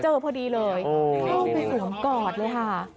เจอพอดีเลยเข้าไปสวมกอดเลย